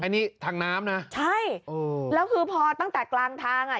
อันนี้ทางน้ำนะใช่โอ้แล้วคือพอตั้งแต่กลางทางอ่ะ